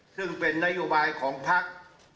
ซึ่งเป็นนโยบายของพัก